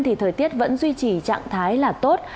thời tiết vẫn duy trì trạng thái là tốt